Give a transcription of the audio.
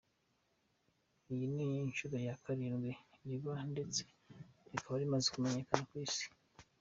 Iyi ni inshuro ya karindwi riba, ndetse rikaba rimaze kumenyekana ku Isi.